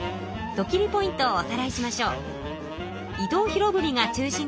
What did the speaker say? ポイントをおさらいしましょう。